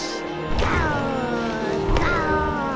ガオガオ！